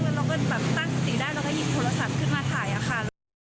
เราก็ตั้งสตรีได้แล้วก็หยิบโทรศัพท์ขึ้นมาถ่ายค่ะ